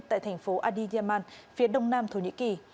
tại thành phố adiyaman phía đông nam thổ nhĩ kỳ